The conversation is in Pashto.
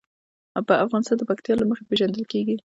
افغانستان د پکتیا له مخې پېژندل کېږي.